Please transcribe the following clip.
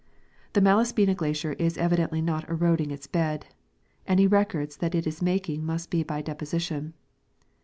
The Malaspina glacier is evidently not eroding its bed ; any records that it is inaking must be by deposition.